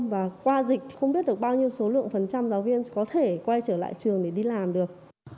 và qua dịch không biết được bao nhiêu số lượng phần trăm giáo viên có thể quay trở lại trường để đi làm được